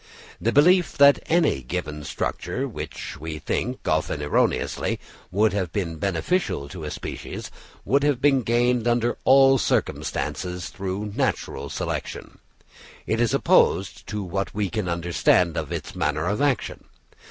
The belief that any given structure, which we think, often erroneously, would have been beneficial to a species, would have been gained under all circumstances through natural selection, is opposed to what we can understand of its manner of action.